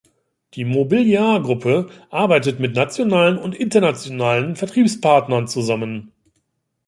Die Mobiliar Gruppe arbeitet mit nationalen und internationalen Vertriebspartnern zusammen.